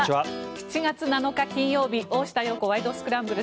７月７日、金曜日「大下容子ワイド！スクランブル」。